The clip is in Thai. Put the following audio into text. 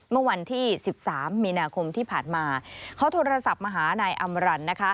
เมื่อวันที่๑๓มีนาคมที่ผ่านมาเขาโทรศัพท์มาหานายอำรันนะคะ